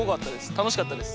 たのしかったです。